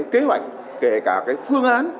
kế hoạch kể cả phương án